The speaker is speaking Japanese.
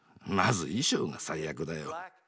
まず衣装が最悪だよ。